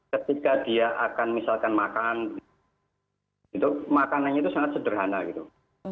ketika dia akan misalkan makan itu makanannya itu sangat sederhana gitu